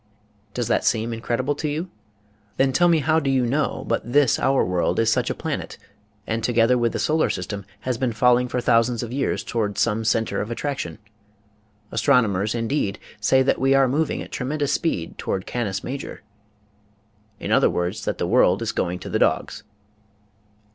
Does that seem incredible to you ? Then tell me how do you know but this our world is such a planet and together with the solar system has been falling for thousands of years toward some center of attraction? Astronomers, indeed, say that we are moving at tre mendous speed toward Canis Major, in other words that the world is going to the dogs.